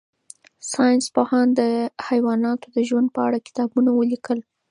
ساینس پوهانو د حیواناتو د ژوند په اړه کتابونه ولیکل.